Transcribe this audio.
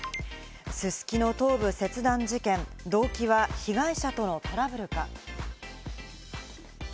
すすきの頭部切断事件、動機は、被害者とのトラブルか？